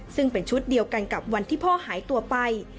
ซึ่งเป็นชุดเดียวกันกับวันที่พ่อหายตัวไป